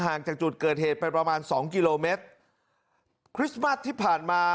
จากจุดเกิดเหตุไปประมาณสองกิโลเมตรคริสต์มัสที่ผ่านมา